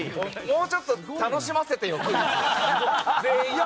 もうちょっと楽しませてよクイズ。